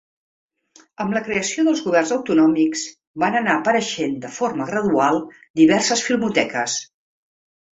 Amb la creació dels Governs autonòmics van anar apareixent de forma gradual diverses filmoteques.